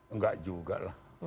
enggak juga lah